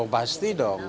oh pasti dong